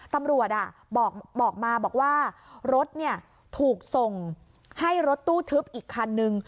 ตำรวจบอกมาบอกว่ารถถูกส่งให้รถตู้ทึบอีกคันนึง